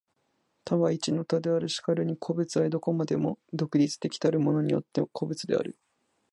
多は一の多である。然るに個物は何処までも独立的たることによって個物である。